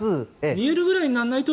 見えるくらいにならないと。